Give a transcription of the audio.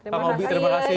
kak ngobi terima kasih